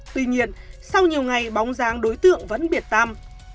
tuy nhiên sau nhiều ngày bóng dáng đối tượng vẫn biệt tâm